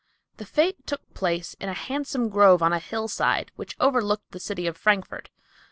The fete took place in a handsome grove on a hillside which overlooked the city of Frankfort.